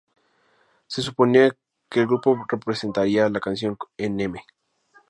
Se suponía que el grupo presentaría la canción en M!